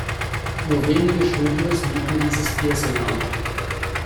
Nur wenige Studios bieten dieses Piercing an.